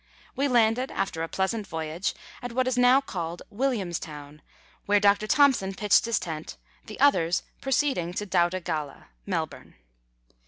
We landed, after a pleasant voyage, at what is now called Williamstown, where Dr. Thomson pitched his tent, the others proceeding to Doutta Galla (Melbourne).